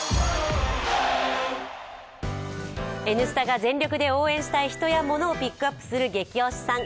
「Ｎスタ」が全力で応援したい人やモノをピックアップするゲキ推しさん。